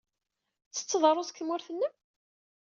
Tettetteḍ ṛṛuz deg tmurt-nnem?